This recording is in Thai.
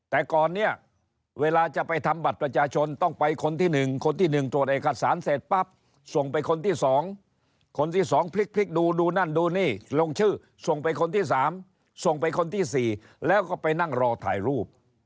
แต่ก่อนเนี่ยเวลาจะไปทำบัตรประชาชนต้องไปคนที่๑คนที่๑ตรวจเอกสารเสร็จปั๊บส่งไปคนที่๒คนที่๒พลิกดูดูนั่นดูนี่ลงชื่อส่งไปคนที่๓ส่งไปคนที่๔แล้วก็ไปนั่งรอถ่ายรูป